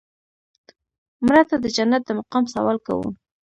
مړه ته د جنت د مقام سوال کوو